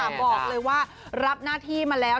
บอกเลยว่ารับหน้าที่มาแล้ว